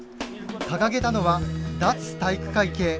掲げたのは脱体育会系。